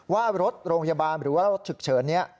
ว่ารถโรงพยาบาลหรือว่ารถฉุกเฉินนี้